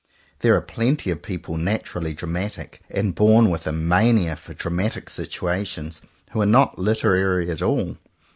There are plenty of people naturally dra matic and born with a mania for dramatic situations, who are not literary at all.